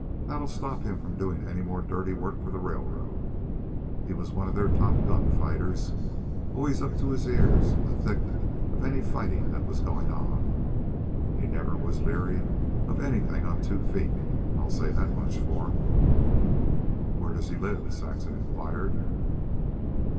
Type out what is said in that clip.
That'll stop him from doin' any more dirty work for the railroad. He was one of their top gun fighters always up to his ears in the thick of any fightin' that was goin' on. He never was leery of anything on two feet, I'll say that much for'm." "Where does he live?" Saxon inquired.